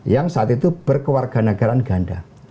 yang saat itu berkewarganegaraan ganda